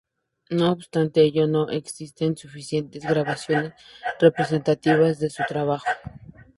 No obstante ello, no existen suficientes grabaciones representativas de su trabajo.